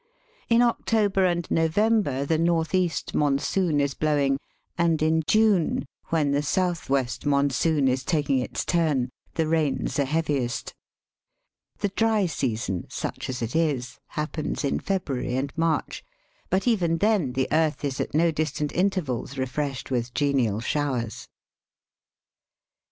In October and November the north east monsoon is blowing, and in June, when the south west monsoon is taking its turn, the rains are heaviest. The dry season, such as it is, happens in February and March; but even then the earth is at no distant intervals refreshed with genial showers.